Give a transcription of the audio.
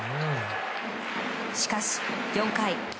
しかし４回。